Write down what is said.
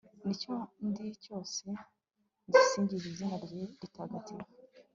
n'icyo ndi cyo cyose gisingize izina rye ritagatifu